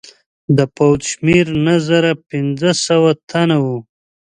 د پوځ شمېر نهه زره پنځه سوه تنه وو.